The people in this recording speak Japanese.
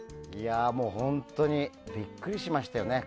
本当にビックリしましたよね。